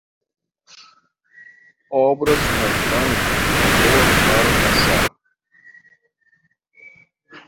Obras com pão são boas para passar.